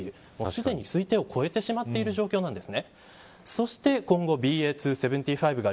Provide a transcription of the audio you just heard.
すでに推定を超えてしまっている状況なんです。